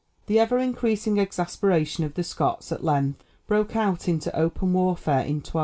The ever increasing exasperation of the Scots at length broke out into open warfare in 1296.